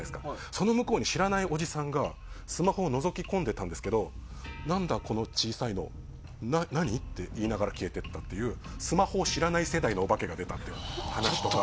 その向こうに知らないおじさんがスマホをのぞき込んでたんですけど何だ、この小さいの。何？って言いながら消えていったというスマホを知らない世代のお化けが出たっていう話が。